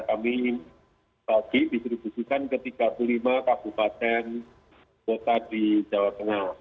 kami bagi distribusikan ke tiga puluh lima kabupaten kota di jawa tengah